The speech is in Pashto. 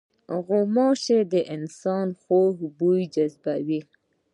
غوماشې د انسان خوږ بوی جذبوي.